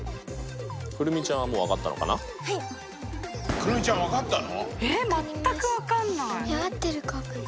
来泉ちゃん分かったの！？